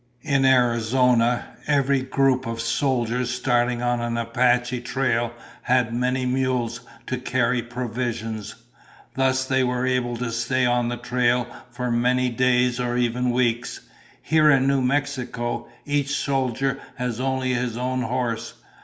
In Arizona, every group of soldiers starting on an Apache trail had many mules to carry provisions. Thus they were able to stay on the trail for many days or even weeks. Here in New Mexico, each soldier has only his own horse.